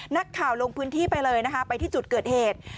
นักข่าวลงพื้นที่ไปเลยนะคะไปที่จุดเกิดเหตุ